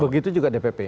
begitu juga dpp